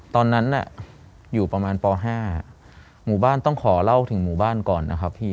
ตอนนั้นน่ะอยู่ประมาณป๕หมู่บ้านต้องขอเล่าถึงหมู่บ้านก่อนนะครับพี่